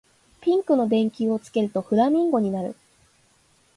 ピンクの電球をつけるとフラミンゴになる